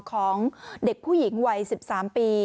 ของเด็กผู้หญิงวัย๑๓ปี